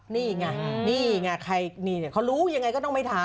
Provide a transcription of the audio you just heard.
นี่ไงเขารู้ยังไงก็ต้องไม่ทัน